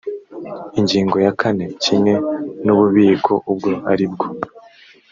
ingingo ya kane kimwe n’ububiko ubwo ari bwo